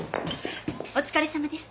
「お疲れさまです。